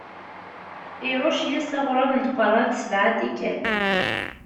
Iṛucc yes-s aɣrab n tqeṛṛabt sebɛa n tikkal.